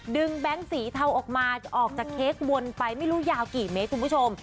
แบงค์สีเทาออกมาออกจากเค้กวนไปไม่รู้ยาวกี่เมตรคุณผู้ชม